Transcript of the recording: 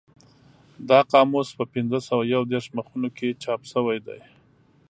دا قاموس په پینځه سوه یو دېرش مخونو کې چاپ شوی دی.